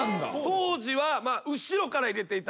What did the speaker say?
当時は後ろから入れていた。